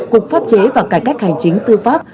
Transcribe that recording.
cục pháp chế và cải cách hành chính tư pháp